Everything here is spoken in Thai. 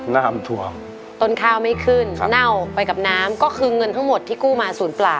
น้ำท่วมต้นข้าวไม่ขึ้นเน่าไปกับน้ำก็คือเงินทั้งหมดที่กู้มาศูนย์เปล่า